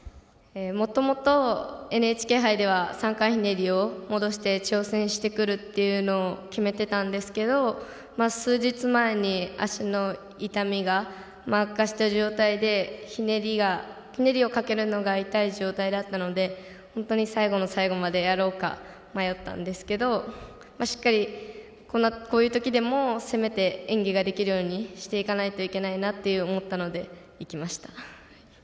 もともとＮＨＫ杯では３回ひねりを戻して、挑戦してくるというのを決めていたんですが数日前に足の痛みが悪化した状態でひねりをかけるのが痛い状態だったので本当に最後の最後までやろうか迷ったんですがしっかりこういう時でも攻めて演技ができるようにしていかないといけないと思ったので、いきました。